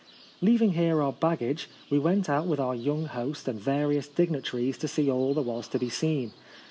Leaving here our baggage, we went out with our young host and various dignitaries to see all that was to be seen.